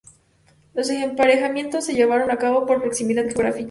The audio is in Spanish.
Los emparejamientos se llevaron a cabo por proximidad geográfica.